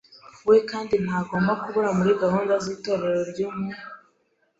we kandi ntagomba kubura muri gahunda z’Itorero ryo mu